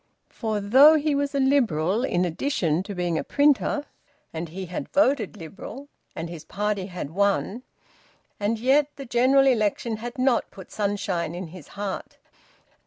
For though he was a Liberal in addition to being a printer, and he had voted Liberal, and his party had won, yet the General Election had not put sunshine in his heart.